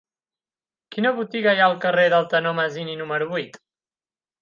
Quina botiga hi ha al carrer del Tenor Masini número vuit?